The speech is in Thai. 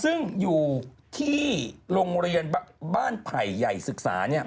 ซึ่งอยู่ที่โรงเรียนบ้านไผ่ใหญ่ศึกษา